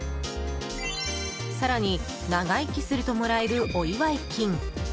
更に長生きするともらえるお祝い金。